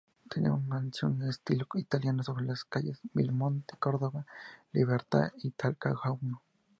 Tenía una mansión de estilo italiano sobre las calles Viamonte, Córdoba, Libertad y Talcahuano.